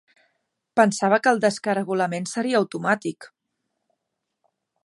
Pensava que el descaragolament seria automàtic.